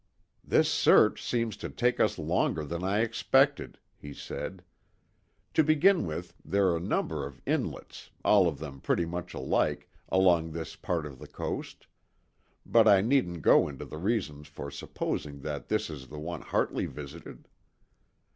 "This search seems to take us longer than I expected," he said. "To begin with, there are a number of inlets, all of them pretty much alike, along this part of the coast; but I needn't go into the reasons for supposing that this is the one Hartley visited.